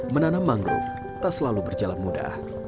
menanam mangrove tak selalu berjalan mudah